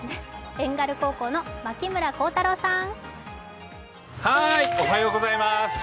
遠軽高校の牧村航太郎さん。